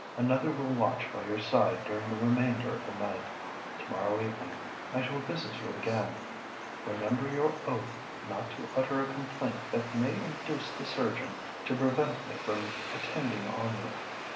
"Another will watch by your side during the remainder of the night. To morrow evening I shall visit you again. Remember your oath not to utter a complaint that may induce the surgeon to prevent me from attending on you.